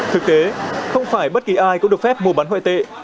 thực tế không phải bất kỳ ai cũng được phép mua bán ngoại tệ